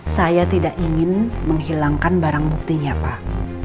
saya tidak ingin menghilangkan barang buktinya pak